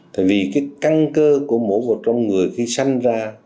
thì vì cái căn cơ của mỗi một trong người khi sanh ra